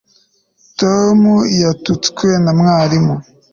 tom yatutswe na mwarimu